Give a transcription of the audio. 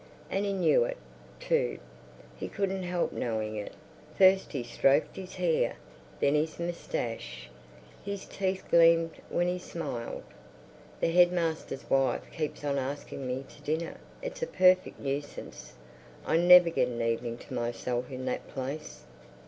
And he knew it, too. He couldn't help knowing it. First he stroked his hair, then his moustache; his teeth gleamed when he smiled. "The headmaster's wife keeps on asking me to dinner. It's a perfect nuisance. I never get an evening to myself in that place."